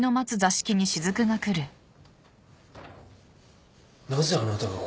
なぜあなたがここに？